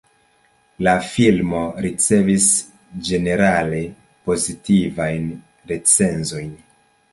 La filmo ricevis ĝenerale pozitivajn recenzojn.